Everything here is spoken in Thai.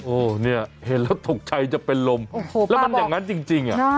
โอ้โหเนี่ยเห็นแล้วตกใจจะเป็นลมแล้วมันอย่างนั้นจริงอะ